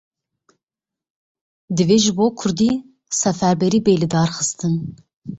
Divê ji bo kurdî seferberî bê lidarxistin.